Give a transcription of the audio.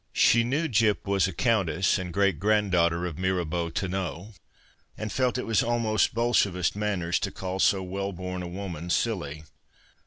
She knew Gyp was a countess and great granddaughter of Mirabeau Tonneau, and felt it was almost Bolshevist manners to call so well born a woman silly.